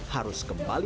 harus kembali ke jalan